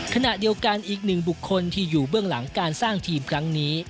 ขณะเดียวกันอีกหนึ่งบุคคลที่อยู่เบื้องหลังการสร้างทีมครั้งนี้